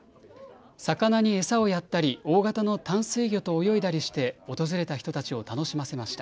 魚に餌をやったり大形の淡水魚と泳いだりして訪れた人たちを楽しませました。